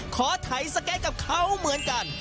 ไถสเก็ตกับเขาเหมือนกัน